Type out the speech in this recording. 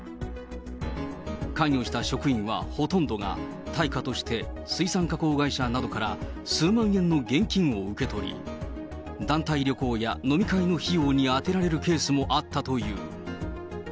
関与した職員はほとんどが、対価として水産加工会社などから数万円の現金を受け取り、団体旅行や飲み会の費用に充てられるケースもあったという。